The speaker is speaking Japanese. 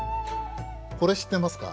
これ知ってますか？